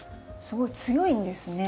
すごい強いんですね。